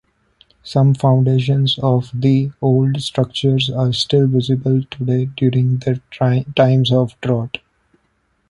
Some foundations of the old structures are still visible today during times of drought.